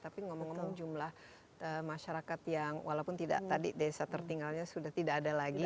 tapi ngomong ngomong jumlah masyarakat yang walaupun tidak tadi desa tertinggalnya sudah tidak ada lagi